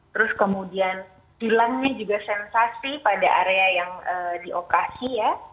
terus kemudian hilangnya juga sensasi pada area yang diokasi ya